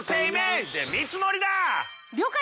了解！